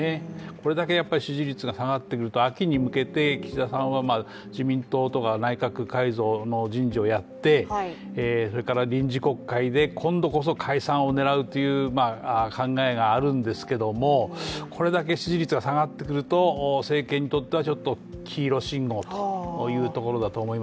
これだけ支持率が下がってくると秋に向けて、岸田さんは自民党とか内閣改造の人事をやってそれから臨時国会で今度こそ解散を狙うという考えがあるんですけどもこれだけ支持率が下がってくると政権にとっては、